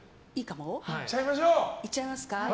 いっちゃいますか？